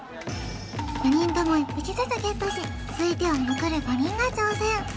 ４人とも１匹ずつゲットし続いては残る５人が挑戦